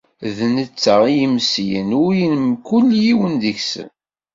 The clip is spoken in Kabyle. D netta i imeslen ul n mkul yiwen deg-sen.